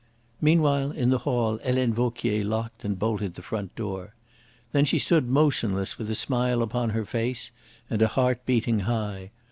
Meanwhile, in the hall Helene Vauquier locked and bolted the front door. Then she stood motionless, with a smile upon her face and a heart beating high.